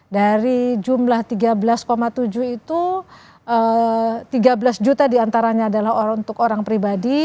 dari jumlah tiga belas tujuh itu tiga belas juta diantaranya adalah untuk orang pribadi